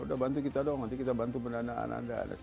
udah bantu kita dong nanti kita bantu pendanaan anda